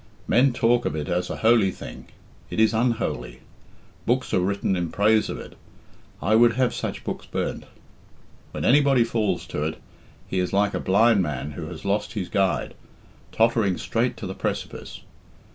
Men talk of it as a holy thing it is unholy. Books are written in praise of it I would have such books burnt. When anybody falls to it, he is like a blind man who has lost his guide, tottering straight to the precipice.